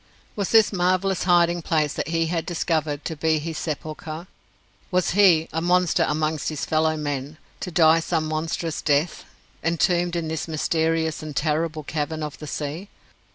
Was this marvellous hiding place that he had discovered to be his sepulchre? Was he a monster amongst his fellow men to die some monstrous death, entombed in this mysterious and terrible cavern of the sea?